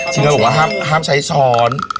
ใจตัวผมว่าห้ามใช้ช้อน